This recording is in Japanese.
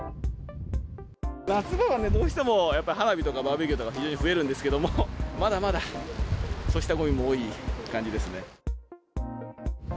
夏場はね、どうしても、やっぱり花火とかバーベキューとか非常に増えるんですけども、まだまだそうしたごみも多い感じですね。